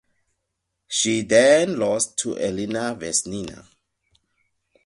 She then lost to Elena Vesnina.